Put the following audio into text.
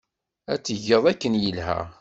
Ad t-tged akken yelha.